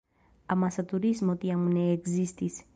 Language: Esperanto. Amasa turismo tiam ne ekzistis.